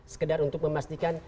sekedar untuk memastikan